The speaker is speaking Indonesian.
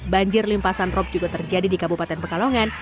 banjir limpasan rop juga terjadi di kabupaten pekalongan